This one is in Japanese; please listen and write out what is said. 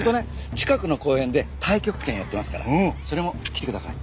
近くの公園で太極拳やってますからそれも来てください。